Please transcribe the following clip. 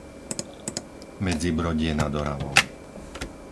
Medzibrodie nad Oravou